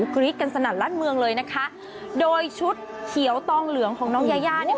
กรี๊ดกันสนั่นลั่นเมืองเลยนะคะโดยชุดเขียวตองเหลืองของน้องยายาเนี่ย